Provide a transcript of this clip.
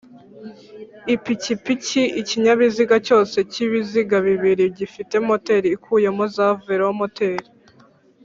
IpikipikiIkinyabiziga cyose cy’ibiziga bibiri gifite moteri ukuyemo za velomoteri